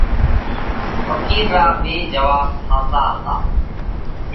ڦقِير را ٻئي جواٻ ۿاسا هتا۔